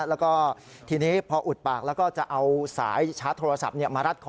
แล้วก็ทีนี้พออุดปากแล้วก็จะเอาสายชาร์จโทรศัพท์มารัดคอ